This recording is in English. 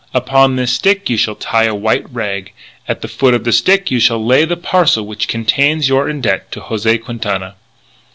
Upon this stick you shall tie a white rag. At the foot of the stick you shall lay the parcel which contains your indebt to José Quintana.